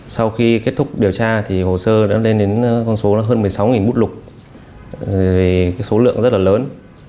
sau khi kết thúc điều tra thì hồ sơ đã lên đến con số hơn một mươi sáu bút lục số lượng rất là lớn